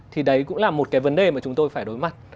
thì đấy cũng là một cái vấn đề mà chúng tôi phải đối mặt